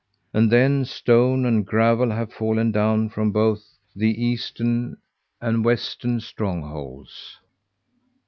And then, stone and gravel have fallen down from both the eastern and western strongholds.